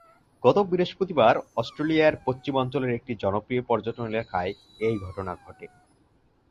গত বৃহস্পতিবার অস্ট্রেলিয়ার পশ্চিমাঞ্চলের একটি জনপ্রিয় পর্যটক এলাকায় এই ঘটনা ঘটে।